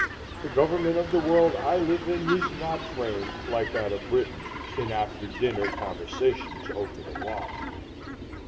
The government of the world I live in was not framed, like that of Britain, in after dinner conversations over the wine.